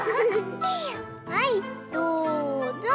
はいどうぞ！